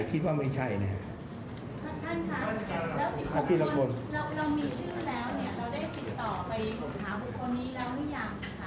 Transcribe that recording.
คุณพรรดิแล้ว๑๖คนเรามีชื่อแล้วเราได้ติดต่อไปหาบุคคลนี้แล้วหรือยัง